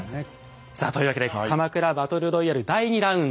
さあというわけで鎌倉バトルロイヤル第２ラウンド。